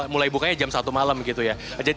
mulai bukanya jam satu malam gitu ya